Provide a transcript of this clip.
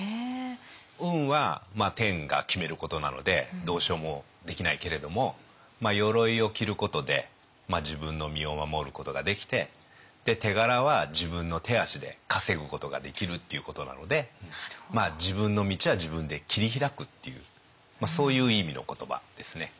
運は天が決めることなのでどうしようもできないけれども鎧を着ることで自分の身を守ることができて手柄は自分の手足で稼ぐことができるっていうことなので自分の道は自分で切り開くっていうそういう意味の言葉ですね。